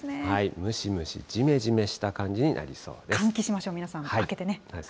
ムシムシ、じめじめした感じになりそうです。